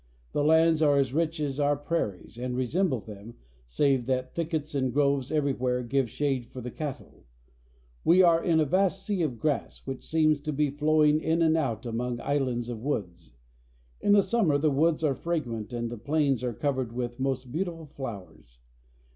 The lands are as rich as our prairies, and resemble them, save that thickets and groves everywhere give shade for the cattle. We are in a vast sea of grass, which seems to be flowing in and out among islands of woods. In the summer the woods are fragrant and the plains are covered with most beautiful flowers.